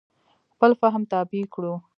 خپل فهم تابع کړو.